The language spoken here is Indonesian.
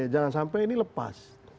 jangan sampai ini lepas